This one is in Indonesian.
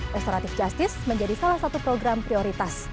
restoratif justice menjadi salah satu program prioritas